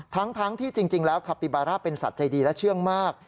ทั้งที่จริงแล้วคาปิบาร่าเป็นสัตว์ใจดีและเชื่องมาก